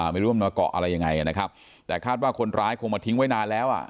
ไม่รู้ว่ามันมาเกาะอะไรยังไงนะครับแต่คาดว่าคนร้ายคงมาทิ้งไว้นานแล้วอ่ะ